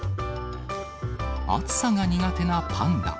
暑さが苦手なパンダ。